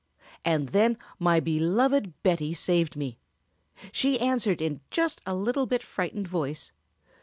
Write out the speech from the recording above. And then my beloved Betty saved me! She answered in just a little bit frightened voice.